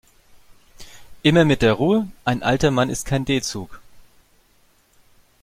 Immer mit der Ruhe, ein alter Mann ist kein D-Zug.